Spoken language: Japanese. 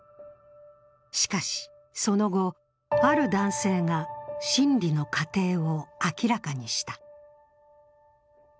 しかしその後、ある男性が審理の過程を明かにした。